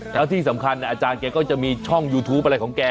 แล้วที่สำคัญอาจารย์แกก็จะมีช่องยูทูปอะไรของแก